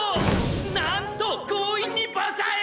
なんと強引に馬車へ！